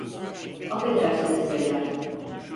Affedersiniz beyler.